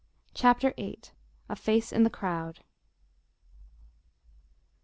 CHAPTER VIII. A Face in the Crowd.